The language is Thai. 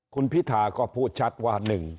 คุณพิธาก็พูดชัดว่า